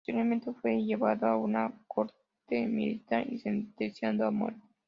Posteriormente fue llevado a una corte militar y sentenciado a muerte.